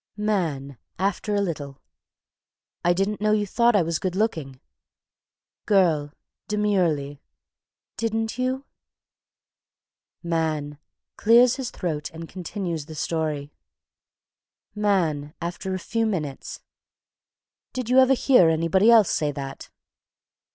_) MAN. (After a little.) "I didn't know you thought I was good looking." GIRL. (Demurely.) "Didn't you?" MAN. (Clears his throat and continues the story.) MAN. (After a few minutes.) "Did you ever hear anybody else say that?"